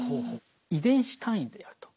遺伝子単位であると。